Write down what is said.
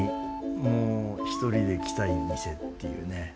もう１人で来たい店っていうね。